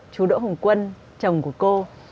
chú đỗ hùng quân chồng của cô